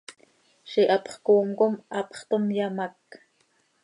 Ziix hapx coom com hapx toom, yamác.